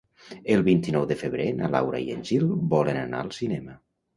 El vint-i-nou de febrer na Laura i en Gil volen anar al cinema.